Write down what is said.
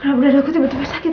kenapa denganku tiba tiba sakit ya